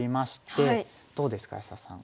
どうですか安田さん。